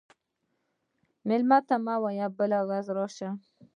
مېلمه ته مه وایه چې بله ورځ راشه.